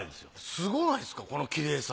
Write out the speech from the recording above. すごないですかこのキレイさ。